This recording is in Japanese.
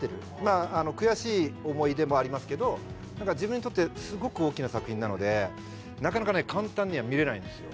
あの悔しい思い出もありますけど何か自分にとってすごく大きな作品なのでなかなかね簡単には見れないんですよ